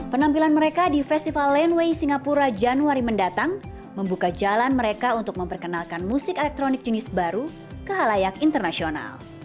penampilan mereka di festival landway singapura januari mendatang membuka jalan mereka untuk memperkenalkan musik elektronik jenis baru ke halayak internasional